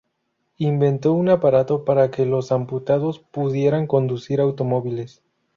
Inventó un aparato para que los amputados pudieran conducir automóviles.